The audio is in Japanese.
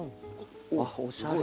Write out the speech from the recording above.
うわっおしゃれ。